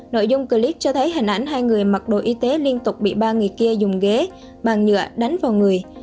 nội dung clip cho thấy hình ảnh hai người mặc đồ y tế liên tục bị ba người kia dùng ghế bàn nhựa đánh vào người